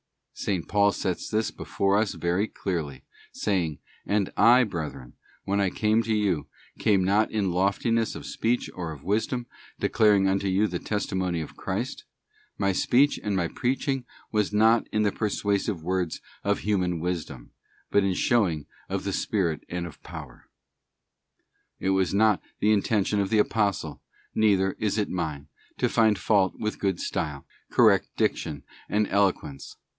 S. Paul sets this before us very clearly, saying: 'And I, brethren, when I came to you, came not in loftiness of speech or of wisdom, declaring unto you the testimony of Christ ... my speech and my preaching was not in the persuasive words of human wisdom, but in showing of the spirit and of power.'* It was not the intention of the Apostle, neither is it mine, to find fault with a good style, correct diction, and eloquence.